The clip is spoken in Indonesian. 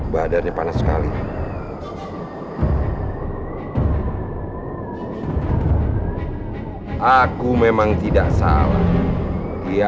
bahwa kamu adalah tuan putri